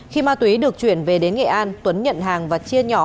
khi ma túy được chuyển về đến nghệ an tuấn nhận hàng và chia nhỏ